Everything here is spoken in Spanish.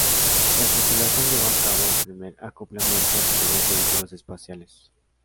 La tripulación llevó a cabo el primer acoplamiento entre dos vehículos espaciales.